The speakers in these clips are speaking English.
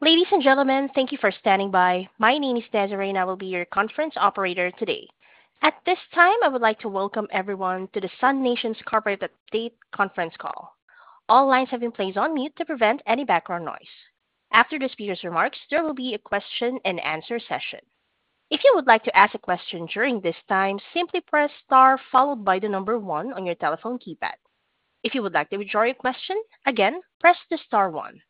Ladies and gentlemen, thank you for standing by. My name is Desiree, and I will be your conference operator today. At this time, I would like to welcome everyone to the SUNation's Corporate Update Conference Call. All lines have been placed on mute to prevent any background noise. After this speaker's remarks, there will be a question-and-answer session. If you would like to ask a question during this time, simply press star followed by the number one on your telephone keypad. If you would like to withdraw your question, again, press the star one.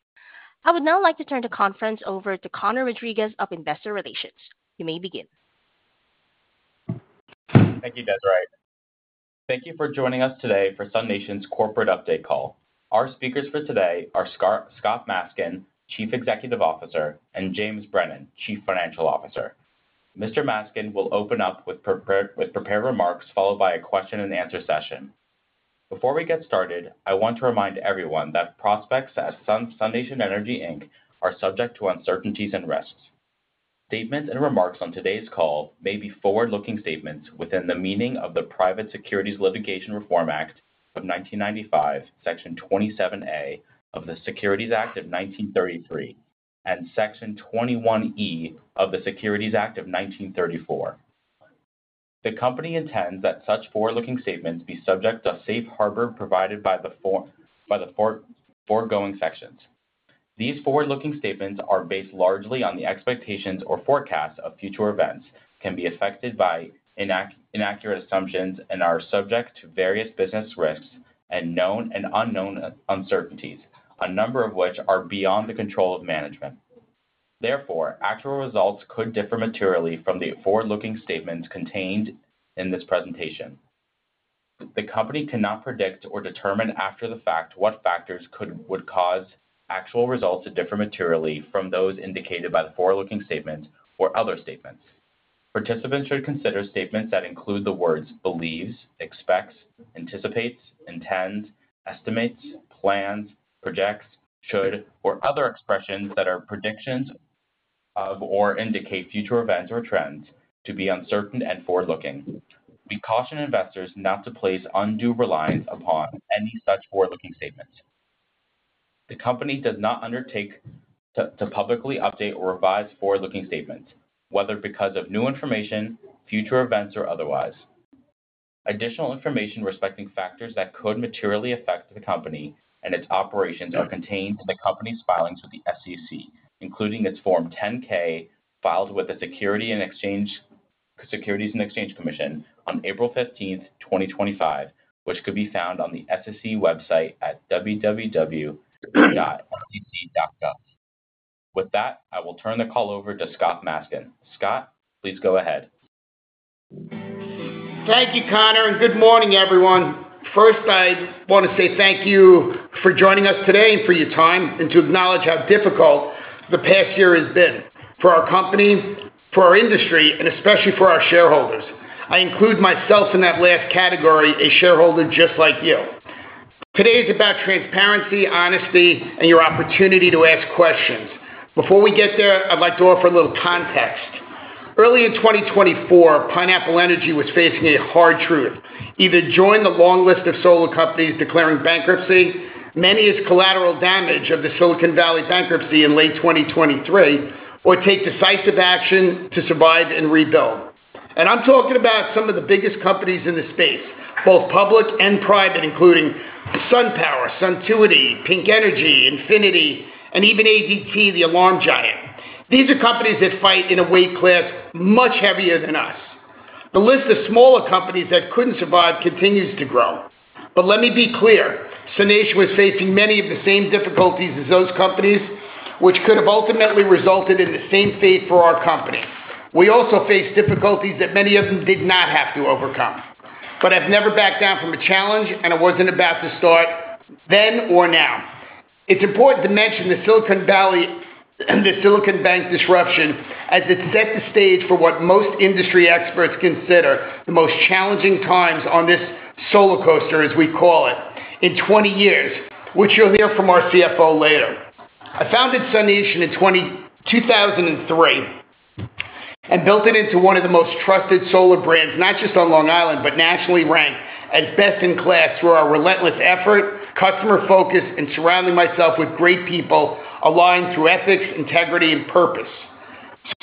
I would now like to turn the conference over to Conor Rodriguez of Investor Relations. You may begin. Thank you, Desiree. Thank you for joining us today for SUNation's Corporate Update Call. Our speakers for today are Scott Maskin, Chief Executive Officer, and James Brennan, Chief Financial Officer. Mr. Maskin will open up with prepared remarks followed by a question-and-answer session. Before we get started, I want to remind everyone that prospects at SUNation Energy Inc are subject to uncertainties and risks. Statements and remarks on today's call may be forward-looking statements within the meaning of the Private Securities Litigation Reform Act of 1995, Section 27A of the Securities Act of 1933, and Section 21E of the Securities Act of 1934. The company intends that such forward-looking statements be subject to safe harbor provided by the foregoing sections. These forward-looking statements are based largely on the expectations or forecast of future events, can be affected by inaccurate assumptions, and are subject to various business risks and known and unknown uncertainties, a number of which are beyond the control of management. Therefore, actual results could differ materially from the forward-looking statements contained in this presentation. The company cannot predict or determine after the fact what factors could would cause actual results to differ materially from those indicated by the forward-looking statement or other statements. Participants should consider statements that include the words believes, expects, anticipates, intends, estimates, plans, projects, should, or other expressions that are predictions of or indicate future events or trends to be uncertain and forward-looking. We caution investors not to place undue reliance upon any such forward-looking statements. The company does not undertake to publicly update or revise forward-looking statements, whether because of new information, future events, or otherwise. Additional information respecting factors that could materially affect the company and its operations are contained in the company's filings with the SEC, including its Form 10-K filed with the Securities and Exchange Commission on April 15th, 2025, which could be found on the SEC website at www.sec.gov. With that, I will turn the call over to Scott Maskin. Scott, please go ahead. Thank you, Conor, and good morning, everyone. First, I want to say thank you for joining us today and for your time, and to acknowledge how difficult the past year has been for our company, for our industry, and especially for our shareholders. I include myself in that last category, a shareholder just like you. Today is about transparency, honesty, and your opportunity to ask questions. Before we get there, I'd like to offer a little context. Early in 2024, Pineapple Energy was facing a hard truth: either join the long list of solar companies declaring bankruptcy, many as collateral damage of the Silicon Valley Bank bankruptcy in late 2023, or take decisive action to survive and rebuild. I am talking about some of the biggest companies in the space, both public and private, including SunPower, Suntuity, Pink Energy, Infinity, and even ADT, the alarm giant. These are companies that fight in a weight class much heavier than us. The list of smaller companies that couldn't survive continues to grow. Let me be clear, SUNation was facing many of the same difficulties as those companies, which could have ultimately resulted in the same fate for our company. We also faced difficulties that many of them did not have to overcome. I've never backed down from a challenge, and I wasn't about to start then or now. It's important to mention the Silicon Valley Bank disruption as it set the stage for what most industry experts consider the most challenging times on this solar coaster, as we call it, in 20 years, which you'll hear from our CFO later. I founded SUNation in 2003 and built it into one of the most trusted solar brands, not just on Long Island, but nationally ranked as best in class through our relentless effort, customer focus, and surrounding myself with great people aligned through ethics, integrity, and purpose.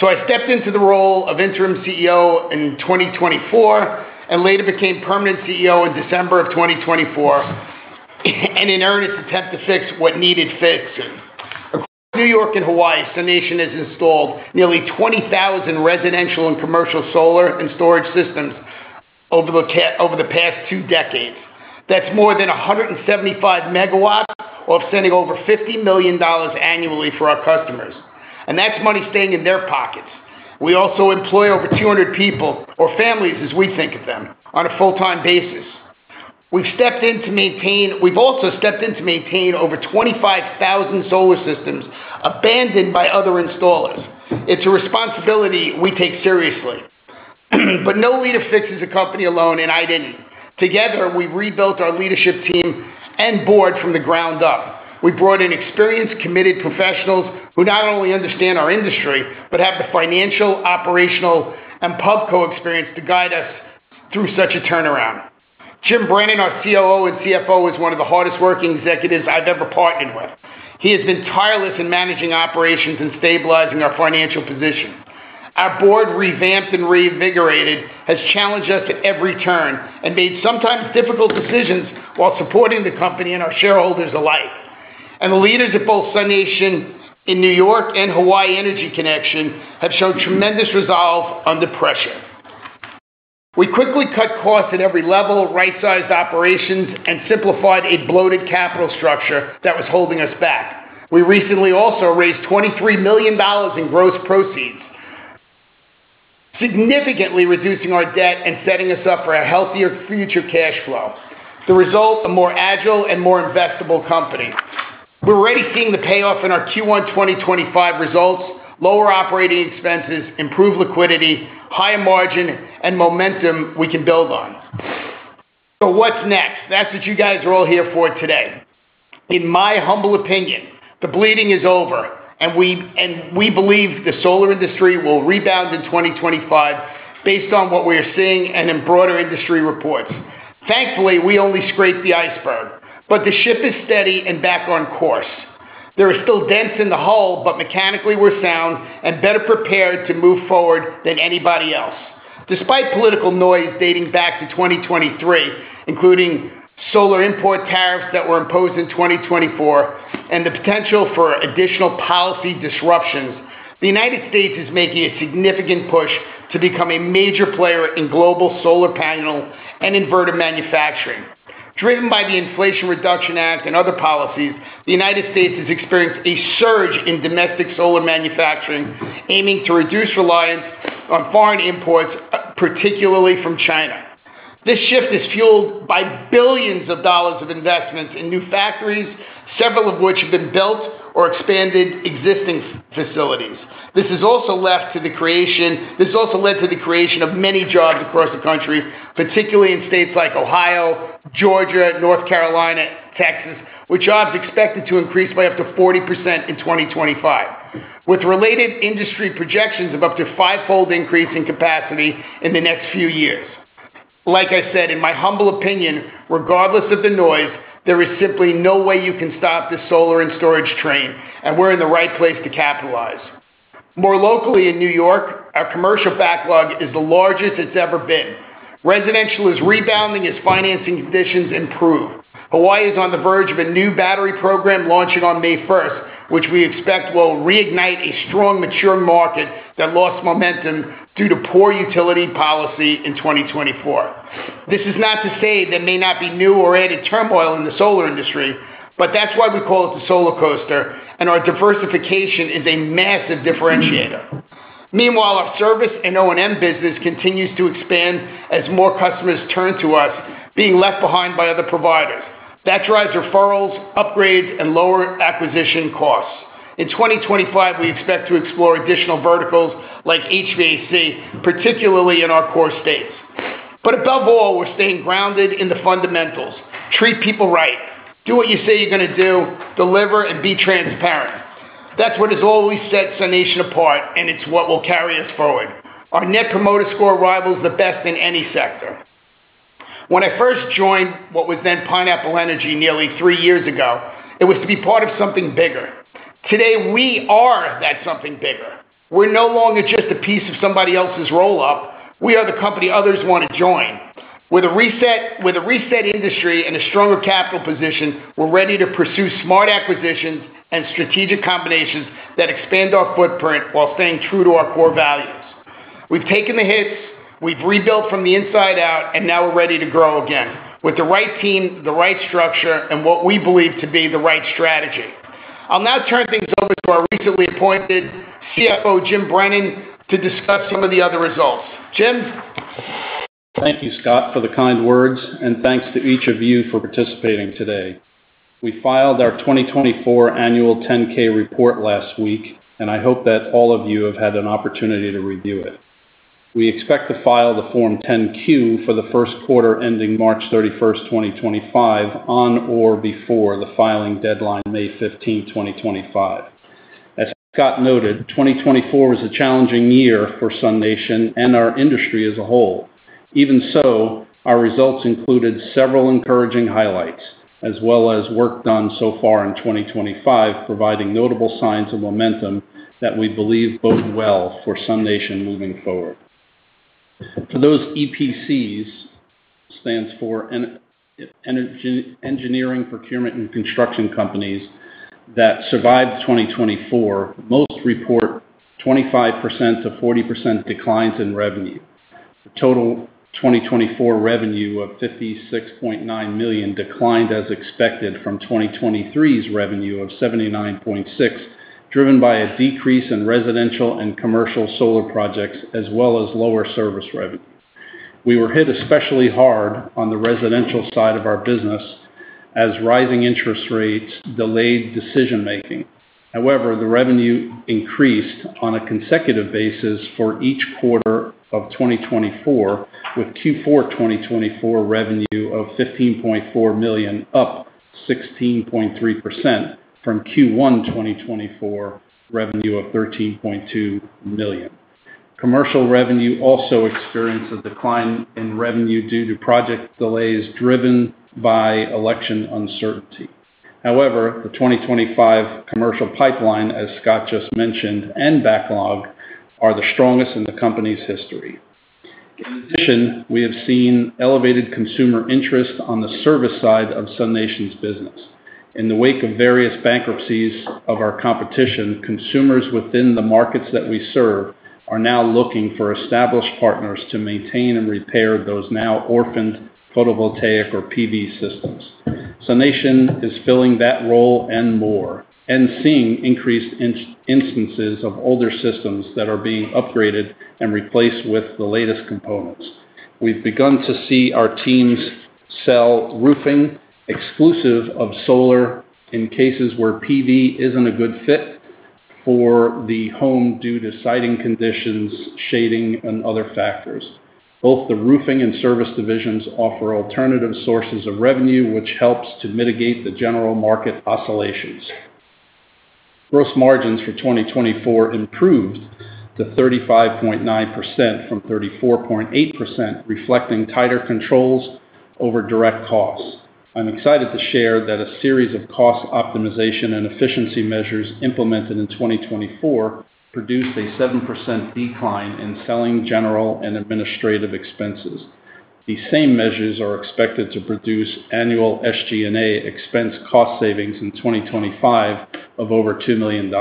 I stepped into the role of interim CEO in 2024 and later became permanent CEO in December of 2024 in an earnest attempt to fix what needed fixing. Across New York and Hawaii, SUNation has installed nearly 20,000 residential and commercial solar and storage systems over the past two decades. That's more than 175 MW or saving over $50 million annually for our customers. That's money staying in their pockets. We also employ over 200 people or families, as we think of them, on a full-time basis. We've also stepped in to maintain over 25,000 solar systems abandoned by other installers. It's a responsibility we take seriously. No leader fixes a company alone, and I didn't. Together, we rebuilt our leadership team and board from the ground up. We brought in experienced, committed professionals who not only understand our industry but have the financial, operational, and pub co-experience to guide us through such a turnaround. Jim Brennan, our COO and CFO, is one of the hardest-working executives I've ever partnered with. He has been tireless in managing operations and stabilizing our financial position. Our board, revamped and reinvigorated, has challenged us at every turn and made sometimes difficult decisions while supporting the company and our shareholders alike. The leaders of both SUNation in New York and Hawaii Energy Connection have shown tremendous resolve under pressure. We quickly cut costs at every level, right-sized operations, and simplified a bloated capital structure that was holding us back. We recently also raised $23 million in gross proceeds, significantly reducing our debt and setting us up for a healthier future cash flow. The result: a more agile and more investable company. We are already seeing the payoff in our Q1 2025 results: lower operating expenses, improved liquidity, higher margin, and momentum we can build on. What is next? That is what you guys are all here for today. In my humble opinion, the bleeding is over, and we believe the solar industry will rebound in 2025 based on what we are seeing and in broader industry reports. Thankfully, we only scraped the iceberg, but the ship is steady and back on course. There are still dents in the hull, but mechanically we are sound and better prepared to move forward than anybody else. Despite political noise dating back to 2023, including solar import tariffs that were imposed in 2024 and the potential for additional policy disruptions, the U.S. is making a significant push to become a major player in global solar panel and inverter manufacturing. Driven by the Inflation Reduction Act and other policies, the U.S. has experienced a surge in domestic solar manufacturing, aiming to reduce reliance on foreign imports, particularly from China. This shift is fueled by billions of dollars of investments in new factories, several of which have been built or expanded existing facilities. This has also led to the creation of many jobs across the country, particularly in states like Ohio, Georgia, North Carolina, and Texas, where jobs are expected to increase by up to 40% in 2025, with related industry projections of up to five-fold increase in capacity in the next few years. Like I said, in my humble opinion, regardless of the noise, there is simply no way you can stop this solar and storage train, and we're in the right place to capitalize. More locally in New York, our commercial backlog is the largest it's ever been. Residential is rebounding as financing conditions improve. Hawaii is on the verge of a new battery program launching on May 1st, which we expect will reignite a strong, mature market that lost momentum due to poor utility policy in 2024. This is not to say there may not be new or added turmoil in the solar industry, but that's why we call it the solar coaster, and our diversification is a massive differentiator. Meanwhile, our service and O&M business continues to expand as more customers turn to us, being left behind by other providers. That drives referrals, upgrades, and lower acquisition costs. In 2025, we expect to explore additional verticals like HVAC, particularly in our core states. Above all, we're staying grounded in the fundamentals. Treat people right. Do what you say you're going to do. Deliver and be transparent. That's what has always set SUNation apart, and it's what will carry us forward. Our Net Promoter Score rivals the best in any sector. When I first joined what was then Pineapple Energy nearly three years ago, it was to be part of something bigger. Today, we are that something bigger. We're no longer just a piece of somebody else's roll-up. We are the company others want to join. With a reset industry and a stronger capital position, we're ready to pursue smart acquisitions and strategic combinations that expand our footprint while staying true to our core values. We've taken the hits. We've rebuilt from the inside out, and now we're ready to grow again with the right team, the right structure, and what we believe to be the right strategy. I'll now turn things over to our recently appointed CFO, James Brennan, to discuss some of the other results. James. Thank you, Scott, for the kind words, and thanks to each of you for participating today. We filed our 2024 annual 10-K report last week, and I hope that all of you have had an opportunity to review it. We expect to file the Form 10-Q for the first quarter ending March 31st, 2025, on or before the filing deadline, May 15th, 2025. As Scott noted, 2024 was a challenging year for SUNation and our industry as a whole. Even so, our results included several encouraging highlights, as well as work done so far in 2025, providing notable signs of momentum that we believe bode well for SUNation moving forward. For those EPCs, which stands for Engineering, Procurement, and Construction Companies, that survived 2024, most report 25%-40% declines in revenue. The total 2024 revenue of $56.9 million declined as expected from 2023's revenue of $79.6 million, driven by a decrease in residential and commercial solar projects, as well as lower service revenue. We were hit especially hard on the residential side of our business as rising interest rates delayed decision-making. However, the revenue increased on a consecutive basis for each quarter of 2024, with Q4 2024 revenue of $15.4 million, up 16.3% from Q1 2024 revenue of $13.2 million. Commercial revenue also experienced a decline in revenue due to project delays driven by election uncertainty. However, the 2025 commercial pipeline, as Scott just mentioned, and backlog are the strongest in the company's history. In addition, we have seen elevated consumer interest on the service side of SUNation's business. In the wake of various bankruptcies of our competition, consumers within the markets that we serve are now looking for established partners to maintain and repair those now orphaned photovoltaic or PV systems. SUNation is filling that role and more and seeing increased instances of older systems that are being upgraded and replaced with the latest components. We've begun to see our teams sell roofing exclusive of solar in cases where PV isn't a good fit for the home due to siding conditions, shading, and other factors. Both the roofing and service divisions offer alternative sources of revenue, which helps to mitigate the general market oscillations. Gross margins for 2024 improved to 35.9% from 34.8%, reflecting tighter controls over direct costs. I'm excited to share that a series of cost optimization and efficiency measures implemented in 2024 produced a 7% decline in selling, general, and administrative expenses. The same measures are expected to produce annual SG&A expense cost savings in 2025 of over $2 million.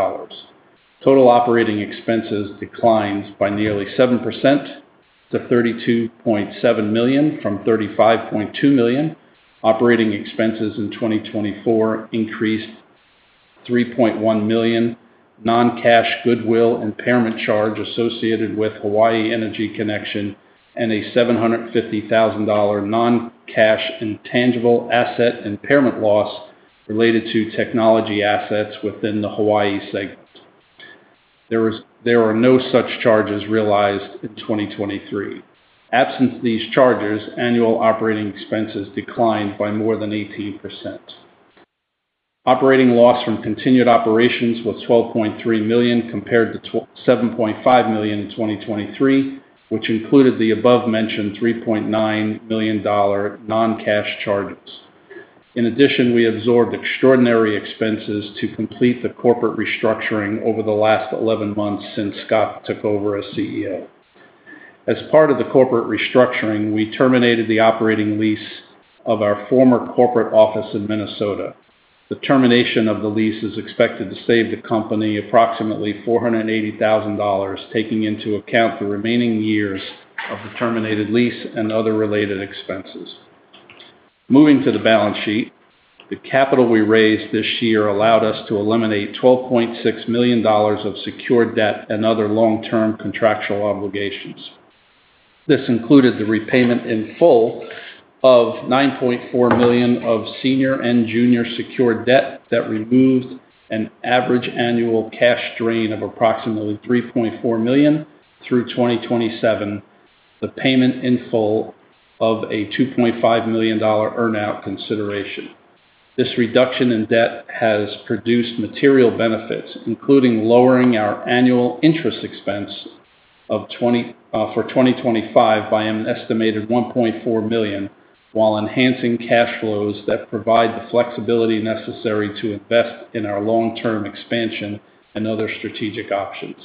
Total operating expenses declined by nearly 7% to $32.7 million from $35.2 million. Operating expenses in 2024 increased $3.1 million. Non-cash goodwill impairment charge associated with Hawaii Energy Connection and a $750,000 non-cash intangible asset impairment loss related to technology assets within the Hawaii segment. There are no such charges realized in 2023. Absent these charges, annual operating expenses declined by more than 18%. Operating loss from continued operations was $12.3 million compared to $7.5 million in 2023, which included the above-mentioned $3.9 million non-cash charges. In addition, we absorbed extraordinary expenses to complete the corporate restructuring over the last 11 months since Scott took over as CEO. As part of the corporate restructuring, we terminated the operating lease of our former corporate office in Minnesota. The termination of the lease is expected to save the company approximately $480,000, taking into account the remaining years of the terminated lease and other related expenses. Moving to the balance sheet, the capital we raised this year allowed us to eliminate $12.6 million of secured debt and other long-term contractual obligations. This included the repayment in full of $9.4 million of senior and junior secured debt that removed an average annual cash drain of approximately $3.4 million through 2027, the payment in full of a $2.5 million earnout consideration. This reduction in debt has produced material benefits, including lowering our annual interest expense for 2025 by an estimated $1.4 million, while enhancing cash flows that provide the flexibility necessary to invest in our long-term expansion and other strategic options.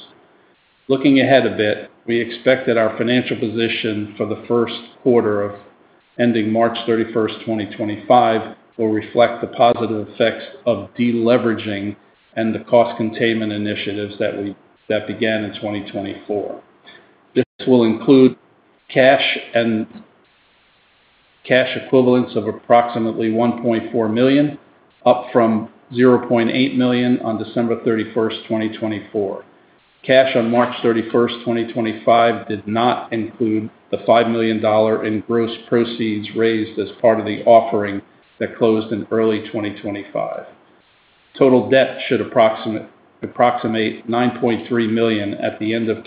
Looking ahead a bit, we expect that our financial position for the first quarter ending March 31st, 2025, will reflect the positive effects of deleveraging and the cost containment initiatives that began in 2024. This will include cash and cash equivalents of approximately $1.4 million, up from $0.8 million on December 31st, 2024. Cash on March 31st, 2025, did not include the $5 million in gross proceeds raised as part of the offering that closed in early 2025. Total debt should approximate $9.3 million at the end of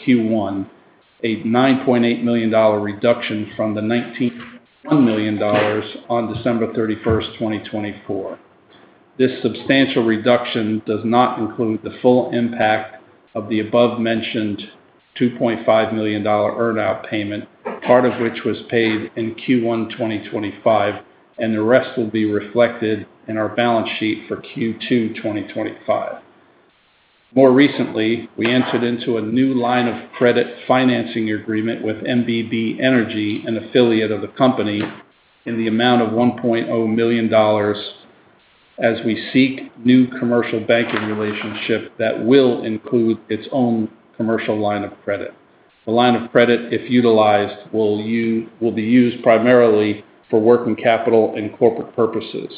Q1, a $9.8 million reduction from the $19.1 million on December 31st, 2024. This substantial reduction does not include the full impact of the above-mentioned $2.5 million earnout payment, part of which was paid in Q1 2025, and the rest will be reflected in our balance sheet for Q2 2025. More recently, we entered into a new line of credit financing agreement with MBB Energy, an affiliate of the company, in the amount of $1.0 million as we seek new commercial banking relationships that will include its own commercial line of credit. The line of credit, if utilized, will be used primarily for working capital and corporate purposes.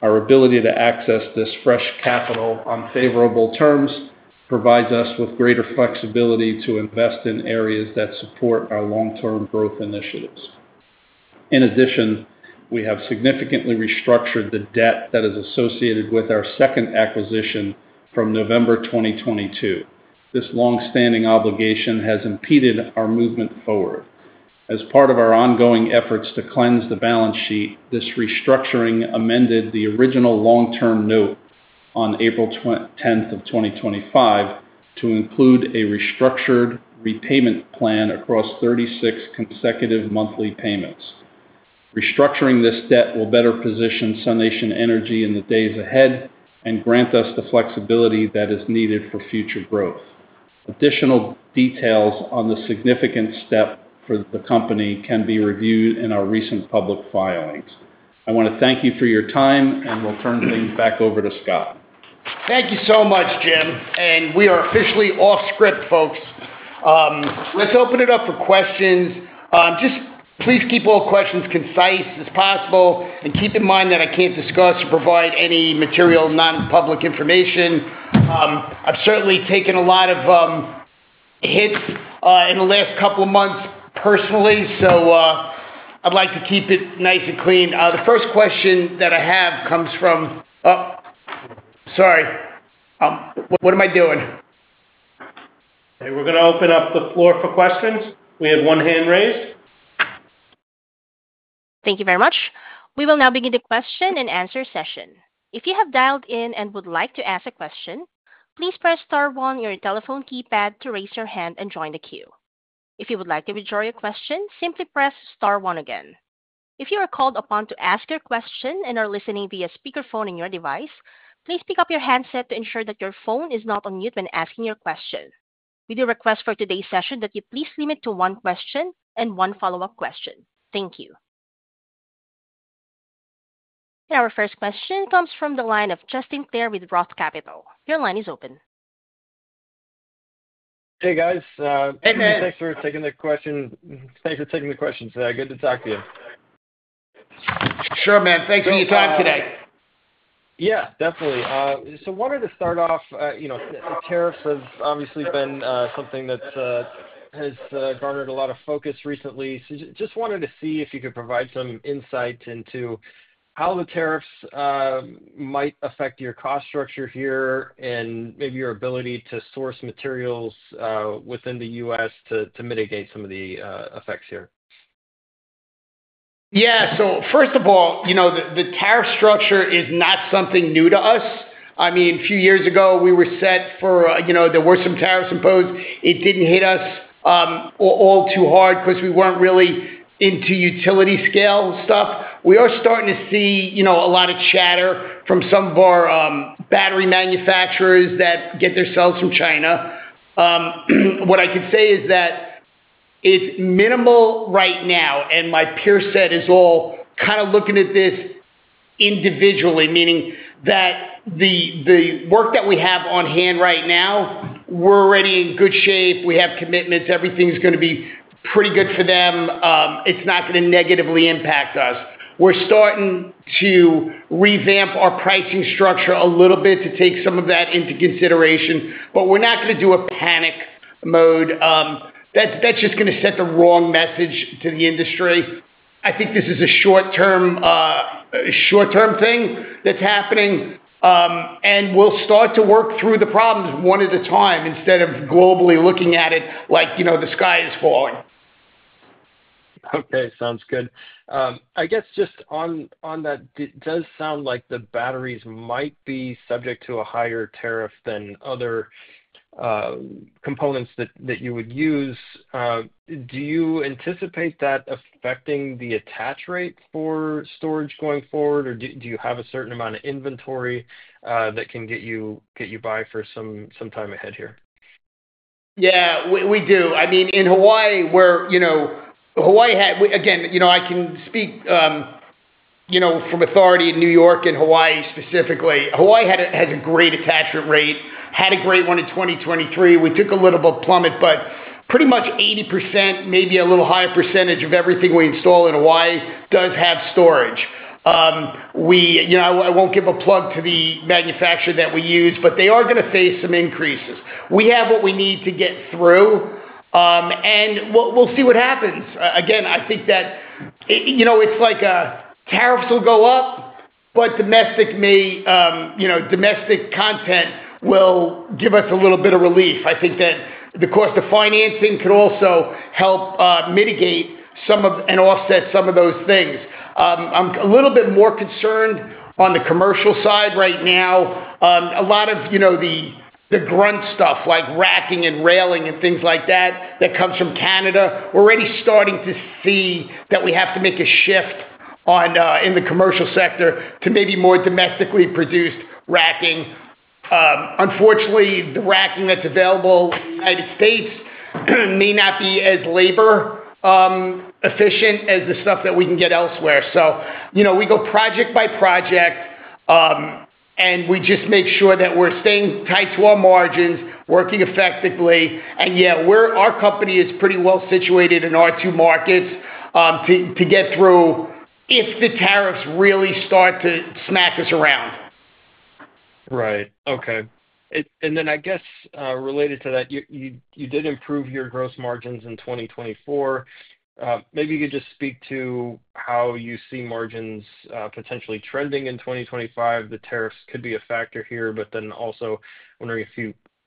Our ability to access this fresh capital on favorable terms provides us with greater flexibility to invest in areas that support our long-term growth initiatives. In addition, we have significantly restructured the debt that is associated with our second acquisition from November 2022. This long-standing obligation has impeded our movement forward. As part of our ongoing efforts to cleanse the balance sheet, this restructuring amended the original long-term note on April 10th, 2025 to include a restructured repayment plan across 36 consecutive monthly payments. Restructuring this debt will better position SUNation Energy in the days ahead and grant us the flexibility that is needed for future growth. Additional details on the significant step for the company can be reviewed in our recent public filings. I want to thank you for your time, and we'll turn things back over to Scott. Thank you so much, Jim. We are officially off-script, folks. Let's open it up for questions. Please keep all questions concise as possible and keep in mind that I can't discuss or provide any material non-public information. I've certainly taken a lot of hits in the last couple of months personally, so I'd like to keep it nice and clean. The first question that I have comes from—sorry. What am I doing? Okay. We're going to open up the floor for questions. We have one hand raised. Thank you very much. We will now begin the question and answer session. If you have dialed in and would like to ask a question, please press star one on your telephone keypad to raise your hand and join the queue. If you would like to withdraw your question, simply press star one again. If you are called upon to ask your question and are listening via speakerphone on your device, please pick up your handset to ensure that your phone is not on mute when asking your question. We do request for today's session that you please limit to one question and one follow-up question. Thank you. Our first question comes from the line of Justin Claire with Roth Capital. Your line is open. Hey, guys. Hey, man. Thanks for taking the question. Good to talk to you. Sure, man. Thanks for your time today. Yeah, definitely. I wanted to start off. Tariffs have obviously been something that has garnered a lot of focus recently. I just wanted to see if you could provide some insight into how the tariffs might affect your cost structure here and maybe your ability to source materials within the U.S. to mitigate some of the effects here. Yeah. First of all, the tariff structure is not something new to us. I mean, a few years ago, we were set for there were some tariffs imposed. It did not hit us all too hard because we were not really into utility-scale stuff. We are starting to see a lot of chatter from some of our battery manufacturers that get their cells from China. What I can say is that it is minimal right now, and my peer set is all kind of looking at this individually, meaning that the work that we have on hand right now, we are already in good shape. We have commitments. Everything is going to be pretty good for them. It is not going to negatively impact us. We are starting to revamp our pricing structure a little bit to take some of that into consideration, but we are not going to do a panic mode. That's just going to set the wrong message to the industry. I think this is a short-term thing that's happening, and we'll start to work through the problems one at a time instead of globally looking at it like the sky is falling. Okay. Sounds good. I guess just on that, it does sound like the batteries might be subject to a higher tariff than other components that you would use. Do you anticipate that affecting the attach rate for storage going forward, or do you have a certain amount of inventory that can get you by for some time ahead here? Yeah, we do. I mean, in Hawaii, where Hawaii had—again, I can speak from authority in New York and Hawaii specifically. Hawaii has a great attachment rate, had a great one in 2023. We took a little bit of a plummet, but pretty much 80%, maybe a little higher percentage of everything we install in Hawaii does have storage. I won't give a plug to the manufacturer that we use, but they are going to face some increases. We have what we need to get through, and we'll see what happens. Again, I think that it's like tariffs will go up, but domestic content will give us a little bit of relief. I think that the cost of financing could also help mitigate some of and offset some of those things. I'm a little bit more concerned on the commercial side right now. A lot of the grunt stuff, like racking and railing and things like that, that comes from Canada, we're already starting to see that we have to make a shift in the commercial sector to maybe more domestically produced racking. Unfortunately, the racking that's available in the United States may not be as labor-efficient as the stuff that we can get elsewhere. We go project by project, and we just make sure that we're staying tight to our margins, working effectively. Yeah, our company is pretty well situated in our two markets to get through if the tariffs really start to smack us around. Right. Okay. I guess related to that, you did improve your gross margins in 2024. Maybe you could just speak to how you see margins potentially trending in 2025. The tariffs could be a factor here, but then also wondering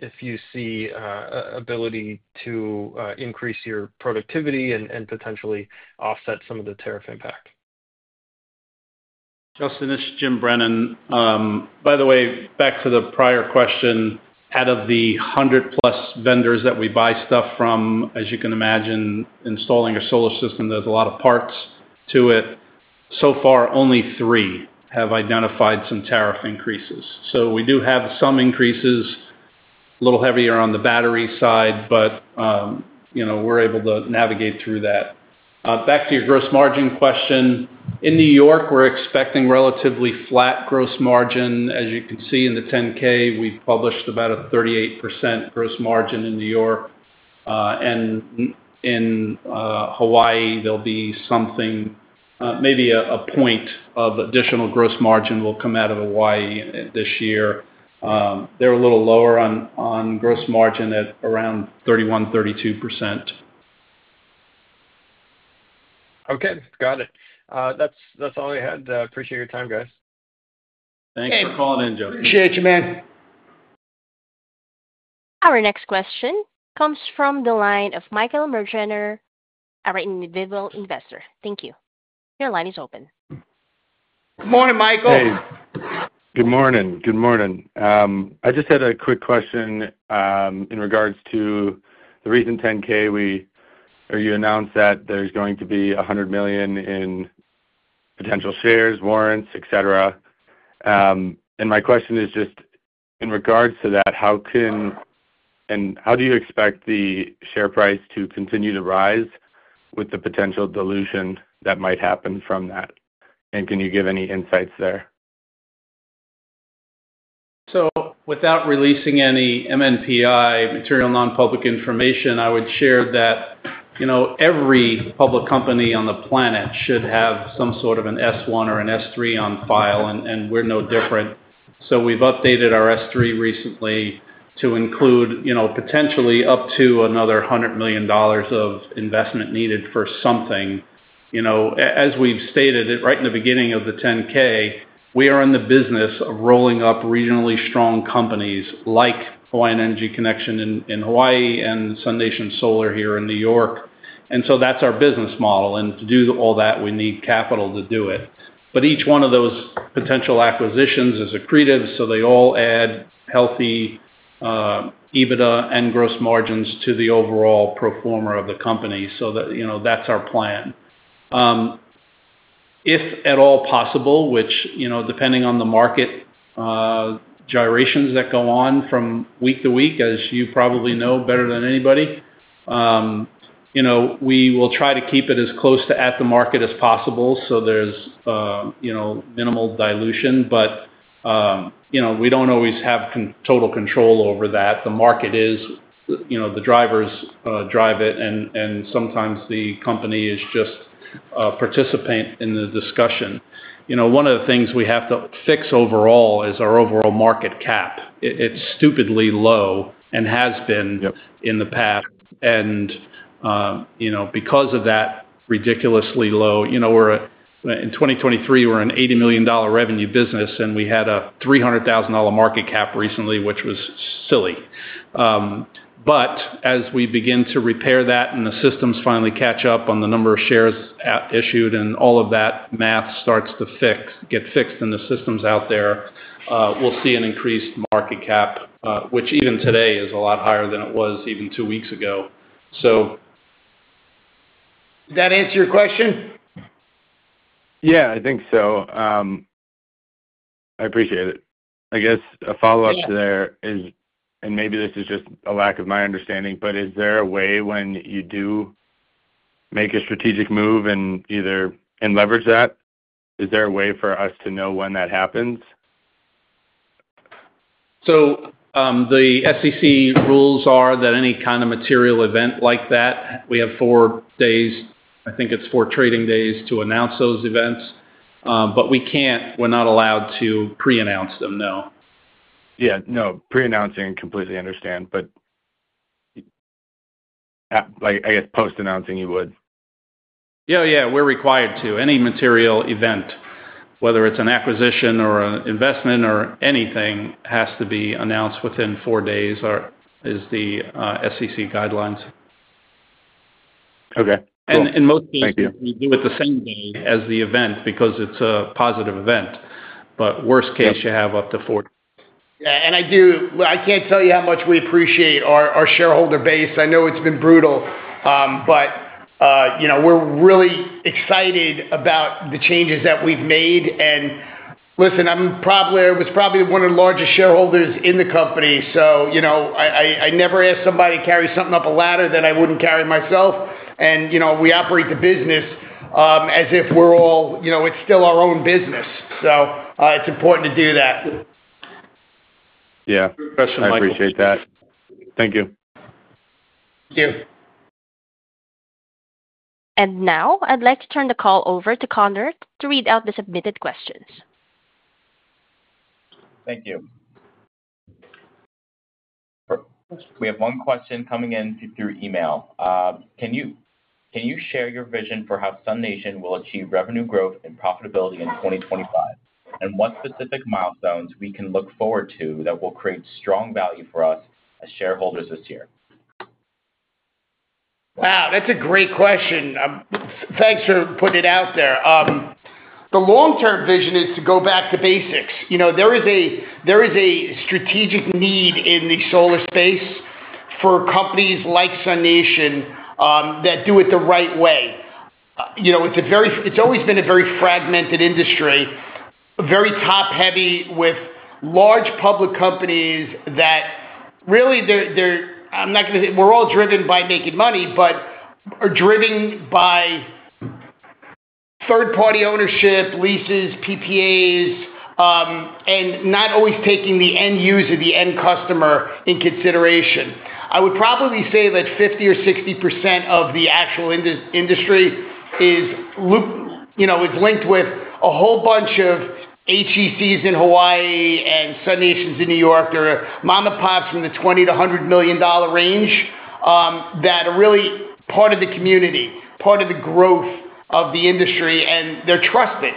if you see ability to increase your productivity and potentially offset some of the tariff impact. Justin, this is Jim Brennan. By the way, back to the prior question, out of the 100+ vendors that we buy stuff from, as you can imagine, installing a solar system, there's a lot of parts to it. So far, only three have identified some tariff increases. We do have some increases, a little heavier on the battery side, but we're able to navigate through that. Back to your gross margin question. In New York, we're expecting relatively flat gross margin. As you can see in the 10-K, we published about a 38% gross margin in New York. In Hawaii, there'll be something, maybe a point of additional gross margin will come out of Hawaii this year. They're a little lower on gross margin at around 31%-32%. Okay. Got it. That's all I had. Appreciate your time, guys. Thanks for calling in, Joe. Appreciate you, man. Our next question comes from the line of Michael Mertgener, our individual investor. Thank you. Your line is open. Good morning, Michael. Hey. Good morning. Good morning. I just had a quick question in regards to the recent 10-K. You announced that there's going to be $100 million in potential shares, warrants, etc. My question is just in regards to that, how do you expect the share price to continue to rise with the potential dilution that might happen from that? Can you give any insights there? Without releasing any MNPI, Material Non-Public Information, I would share that every public company on the planet should have some sort of an S-1 or an S-3 on file, and we're no different. We've updated our S-3 recently to include potentially up to another $100 million of investment needed for something. As we've stated right in the beginning of the 10-K, we are in the business of rolling up regionally strong companies like Hawaii Energy Connection in Hawaii and SUNation Energy here in New York. That's our business model. To do all that, we need capital to do it. Each one of those potential acquisitions is accretive, so they all add healthy EBITDA and gross margins to the overall performer of the company. That's our plan. If at all possible, which depending on the market gyrations that go on from week to week, as you probably know better than anybody, we will try to keep it as close to at the market as possible so there is minimal dilution. We do not always have total control over that. The market is the drivers drive it, and sometimes the company is just a participant in the discussion. One of the things we have to fix overall is our overall market cap. It is stupidly low and has been in the past. Because of that ridiculously low, in 2023, we are an $80 million revenue business, and we had a $300,000 market cap recently, which was silly. As we begin to repair that and the systems finally catch up on the number of shares issued and all of that math starts to get fixed in the systems out there, we'll see an increased market cap, which even today is a lot higher than it was even two weeks ago. Did that answer your question? Yeah, I think so. I appreciate it. I guess a follow-up to there is, and maybe this is just a lack of my understanding, but is there a way when you do make a strategic move and leverage that? Is there a way for us to know when that happens? The SEC rules are that any kind of material event like that, we have four days, I think it's four trading days, to announce those events. We can't, we're not allowed to pre-announce them, no. Yeah. No, pre-announcing, I completely understand. I guess post-announcing, you would. Yeah, yeah. We're required to. Any material event, whether it's an acquisition or an investment or anything, has to be announced within four days is the SEC guidelines. Okay. Thank you. In most cases, we do it the same day as the event because it's a positive event. Worst case, you have up to four days. Yeah. I can't tell you how much we appreciate our shareholder base. I know it's been brutal, but we're really excited about the changes that we've made. Listen, I was probably one of the largest shareholders in the company. I never ask somebody to carry something up a ladder that I wouldn't carry myself. We operate the business as if it's still our own business. It's important to do that. Yeah. Good question, Michael. I appreciate that. Thank you. Thank you. Now I'd like to turn the call over to Conor to read out the submitted questions. Thank you. We have one question coming in through email. Can you share your vision for how SUNation will achieve revenue growth and profitability in 2025? What specific milestones we can look forward to that will create strong value for us as shareholders this year? Wow, that's a great question. Thanks for putting it out there. The long-term vision is to go back to basics. There is a strategic need in the solar space for companies like SUNation that do it the right way. It's always been a very fragmented industry, very top-heavy with large public companies that really they're—I’m not going to say we're all driven by making money, but are driven by third-party ownership, leases, PPAs, and not always taking the end user, the end customer in consideration. I would probably say that 50% or 60% of the actual industry is linked with a whole bunch of HECs in Hawaii and SUNations in New York. There are mom-and-pops in the $20 million-$100 million range that are really part of the community, part of the growth of the industry, and they're trusted.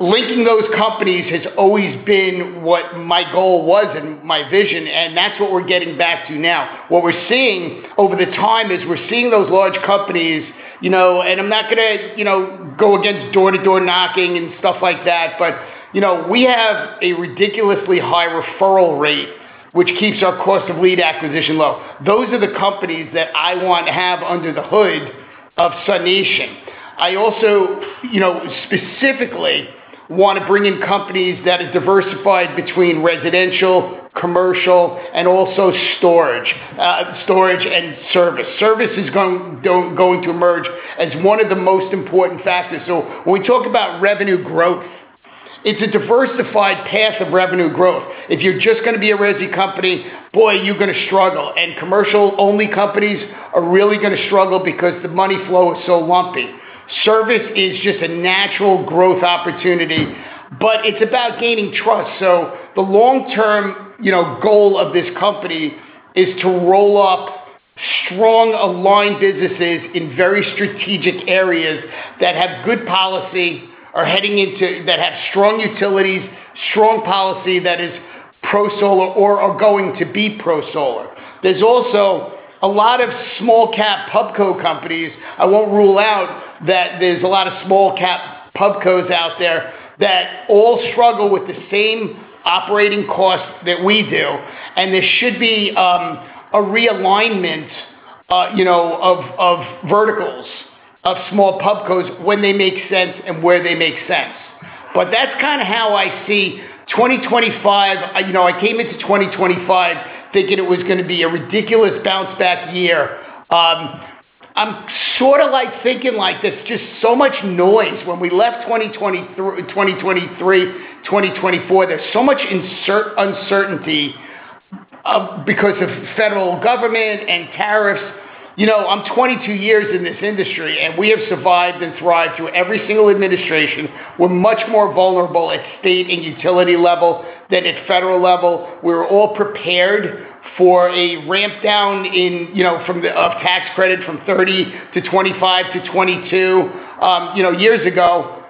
Linking those companies has always been what my goal was and my vision, and that's what we're getting back to now. What we're seeing over the time is we're seeing those large companies—and I'm not going to go against door-to-door knocking and stuff like that—but we have a ridiculously high referral rate, which keeps our cost of lead acquisition low. Those are the companies that I want to have under the hood of SUNation. I also specifically want to bring in companies that are diversified between residential, commercial, and also storage and service. Service is going to emerge as one of the most important factors. When we talk about revenue growth, it's a diversified path of revenue growth. If you're just going to be a resi company, boy, you're going to struggle. Commercial-only companies are really going to struggle because the money flow is so lumpy. Service is just a natural growth opportunity, but it's about gaining trust. The long-term goal of this company is to roll up strong, aligned businesses in very strategic areas that have good policy, are heading into that have strong utilities, strong policy that is pro-solar or are going to be pro-solar. There is also a lot of small-cap Pubco companies. I won't rule out that there is a lot of small-cap Pubcos out there that all struggle with the same operating costs that we do. There should be a realignment of verticals, of small Pubcos when they make sense and where they make sense. That is kind of how I see 2025. I came into 2025 thinking it was going to be a ridiculous bounce-back year. I'm sort of thinking like there's just so much noise. When we left 2023, 2024, there's so much uncertainty because of federal government and tariffs. I'm 22 years in this industry, and we have survived and thrived through every single administration. We're much more vulnerable at state and utility level than at federal level. We were all prepared for a ramp-down from the tax credit from 30% to 25% to 22%. Years ago,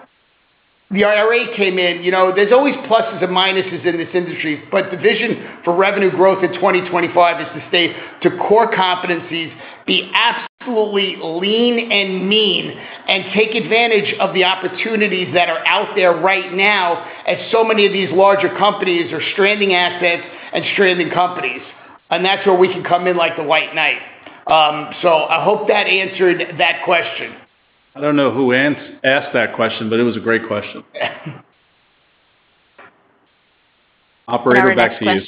the IRA came in. There's always pluses and minuses in this industry, but the vision for revenue growth in 2025 is to stay to core competencies, be absolutely lean and mean, and take advantage of the opportunities that are out there right now as so many of these larger companies are stranding assets and stranding companies. That is where we can come in like the white knight. I hope that answered that question. I don't know who asked that question, but it was a great question. Operator, back to you.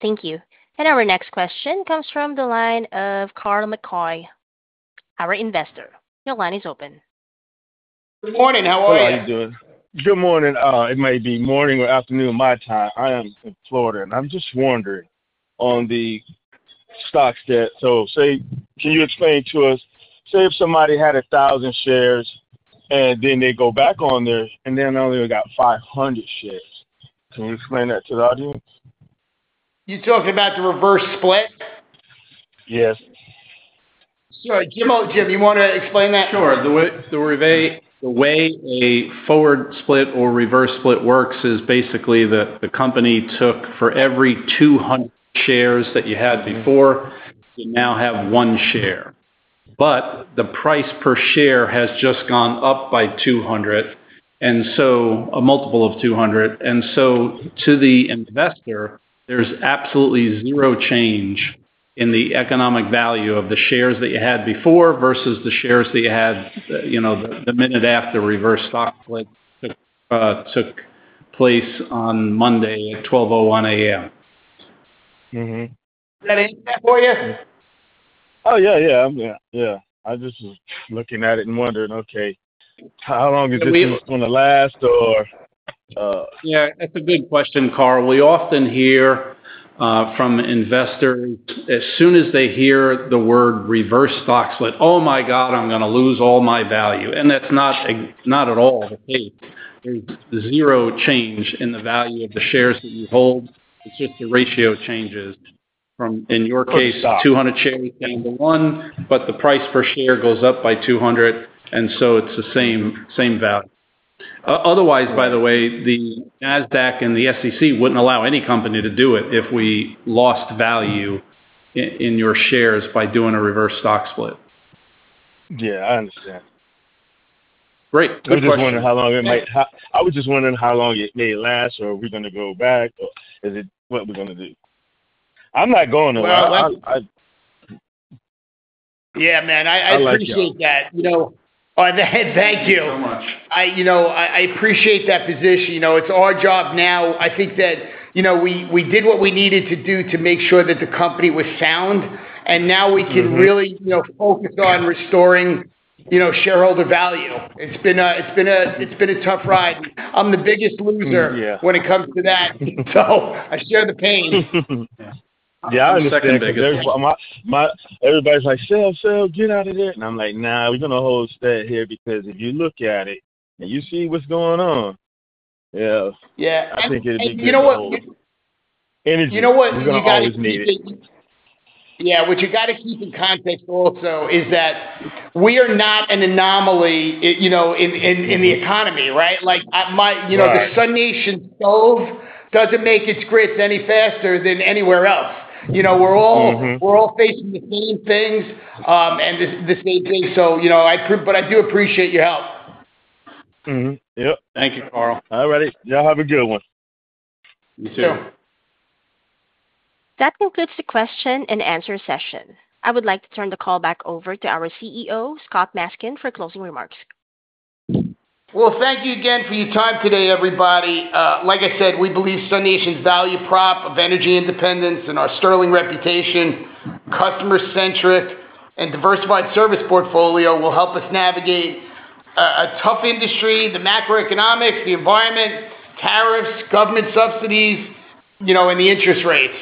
Thank you. Our next question comes from the line of Carl McCoy, our investor. Your line is open. Good morning. How are you? Good morning. It may be morning or afternoon my time. I am in Florida, and I'm just wondering on the stocks that—so say, can you explain to us, say if somebody had 1,000 shares and then they go back on there and then only got 500 shares? Can you explain that to the audience? You're talking about the reverse split? Yes. Sorry, Jim, you want to explain that? Sure. The way a forward split or reverse split works is basically that the company took for every 200 shares that you had before, you now have one share. The price per share has just gone up by 200, and so a multiple of 200. To the investor, there's absolutely zero change in the economic value of the shares that you had before versus the shares that you had the minute after reverse stock split took place on Monday at 12:01 A.M. Did that answer that for you? Oh, yeah, yeah. I was just looking at it and wondering, okay, how long is this going to last? Yeah. That's a good question, Carl. We often hear from investors, as soon as they hear the word reverse stock split, "Oh my God, I'm going to lose all my value." That's not at all the case. There's zero change in the value of the shares that you hold. It's just the ratio changes from, in your case, 200 shares down to one, but the price per share goes up by 200. It's the same value. Otherwise, by the way, the NASDAQ and the SEC wouldn't allow any company to do it if we lost value in your shares by doing a reverse stock split. Yeah, I understand. Great. I was just wondering how long it might—I was just wondering how long it may last or are we going to go back or is it what we're going to do? I'm not going to— Yeah, man. I appreciate that. I like that. Thank you. Thank you so much. I appreciate that position. It's our job now. I think that we did what we needed to do to make sure that the company was sound, and now we can really focus on restoring shareholder value. It's been a tough ride. I'm the biggest loser when it comes to that. I share the pain. Yeah. I understand. Everybody's like, "Sell, sell, get out of there." I'm like, "Nah, we're going to hold stead here because if you look at it and you see what's going on, yeah, I think it'll be good. You know what? Energy. You know what? It's always needed. Yeah. What you got to keep in context also is that we are not an anomaly in the economy, right? The SUNation stove doesn't make its grits any faster than anywhere else. We're all facing the same things and the same thing. I do appreciate your help. Yep. Thank you, Carl. All righty. Y'all have a good one. You too. Thank you. That concludes the question and answer session. I would like to turn the call back over to our CEO, Scott Maskin, for closing remarks. Thank you again for your time today, everybody. Like I said, we believe SUNation's value prop of energy independence and our sterling reputation, customer-centric, and diversified service portfolio will help us navigate a tough industry, the macroeconomics, the environment, tariffs, government subsidies, and the interest rates.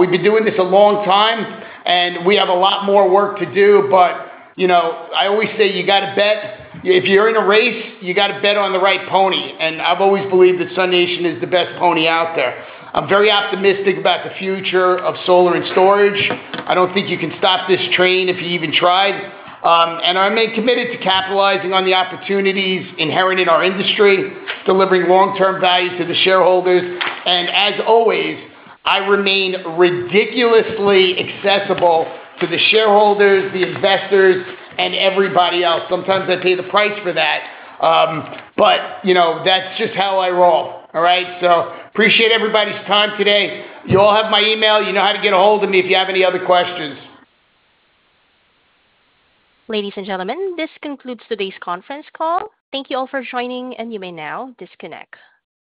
We've been doing this a long time, and we have a lot more work to do. I always say you got to bet. If you're in a race, you got to bet on the right pony. I've always believed that SUNation is the best pony out there. I'm very optimistic about the future of solar and storage. I don't think you can stop this train if you even tried. I'm committed to capitalizing on the opportunities inherited in our industry, delivering long-term value to the shareholders. I remain ridiculously accessible to the shareholders, the investors, and everybody else. Sometimes I pay the price for that. That is just how I roll, all right? Appreciate everybody's time today. You all have my email. You know how to get a hold of me if you have any other questions. Ladies and gentlemen, this concludes today's conference call. Thank you all for joining, and you may now disconnect.